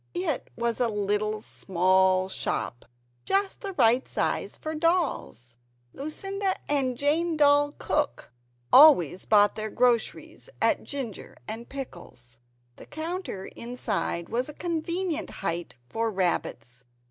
It was a little small shop just the right size for Dolls Lucinda and Jane Doll cook always bought their groceries at Ginger and Pickles. The counter inside was a convenient height for rabbits.